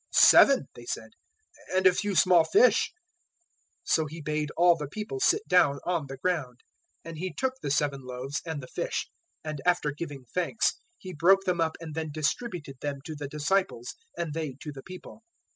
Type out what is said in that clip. "Seven," they said, "and a few small fish." 015:035 So He bade all the people sit down on the ground, 015:036 and He took the seven loaves and the fish, and after giving thanks He broke them up and then distributed them to the disciples, and they to the people.